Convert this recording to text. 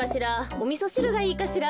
おみそしるがいいかしら。